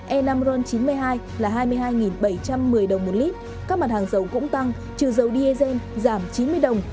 e năm ron chín mươi hai là hai mươi hai bảy trăm một mươi đồng một lít các mặt hàng dầu cũng tăng trừ dầu diesel giảm chín mươi đồng